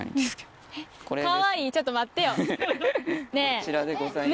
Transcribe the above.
こちらでございます。